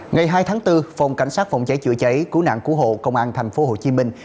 ngày hai tháng bốn phòng cảnh sát phòng cháy chữa cháy cứu nạn cứu hộ công an thành phố hồ chí minh